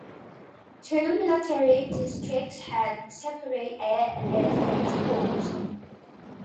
Two military districts had separate Air and Air Defence Corps.